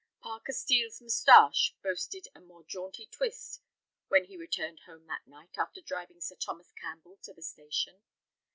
Parker Steel's mustache boasted a more jaunty twist when he returned home that night after driving Sir Thomas Campbell to the station.